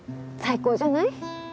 最高じゃない？